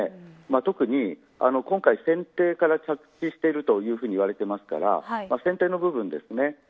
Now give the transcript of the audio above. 特に今回、船底から着地しているといわれていますから船底の部分ですね。